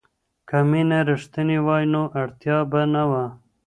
که مینه رښتینې وای نو اړتیا به نه وه.